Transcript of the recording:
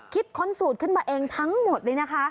ค้นสูตรขึ้นมาเองทั้งหมดเลยนะคะ